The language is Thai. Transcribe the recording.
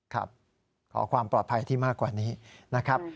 ขอความปลอดภัยที่มากกว่านี้นะครับ